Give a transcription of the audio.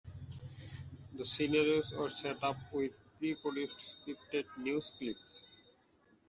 The scenarios were set up with pre-produced scripted news clips.